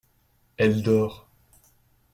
Elle dort.